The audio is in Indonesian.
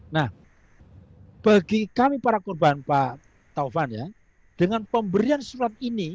nah bagi kami para korban pak taufan ya dengan pemberian surat ini